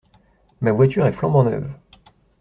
Ma voiture est flambant neuve.